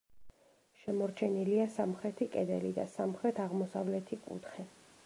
შემორჩენილია სამხრეთი კედელი და სამხრეთ-აღმოსავლეთი კუთხე.